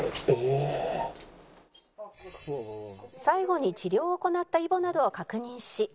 「最後に治療を行ったイボなどを確認し」